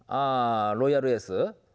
ロイヤルエース？